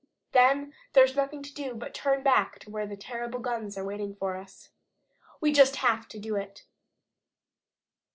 Then there is nothing to do but to turn back to where those terrible guns are waiting for us. We just HAVE to do it."